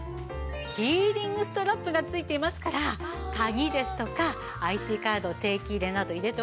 キーリングストラップがついていますから鍵ですとかＩＣカード定期入れなど入れておくとピッ！